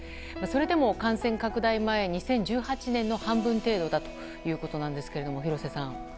それでも感染拡大前２０１８年の半分程度ということなんですが廣瀬さん。